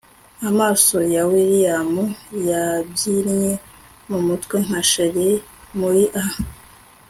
amaso ya william yabyinnye mumutwe nka cheri muri a